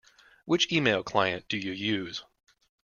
Which email client do you use?